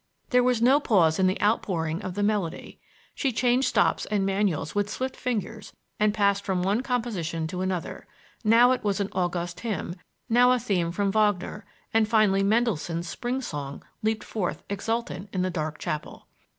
There was no pause in the outpouring of the melody. She changed stops and manuals with swift fingers and passed from one composition to another; now it was an august hymn, now a theme from Wagner, and finally Mendelssohn's Spring Song leaped forth exultant in the dark chapel.